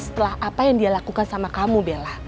setelah apa yang dia lakukan sama kamu bella